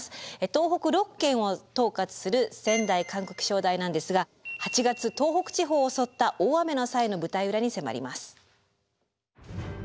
東北６県を統括する仙台管区気象台なんですが８月東北地方を襲った大雨の際の舞台裏に迫ります。